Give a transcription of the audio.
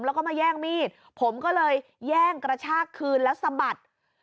แล้วก็มาแย่งมีดผมก็เลยแย่งกระชากคืนแล้วสะบัด